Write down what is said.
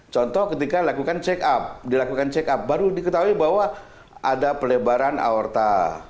contoh ketika dilakukan check up baru diketahui bahwa ada pelebaran aorta